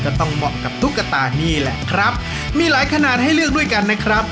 ต้องเหมาะกับตุ๊กตานี่แหละครับมีหลายขนาดให้เลือกด้วยกันนะครับ